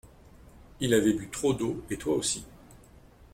Il avait bu trop d’eau et toi aussi.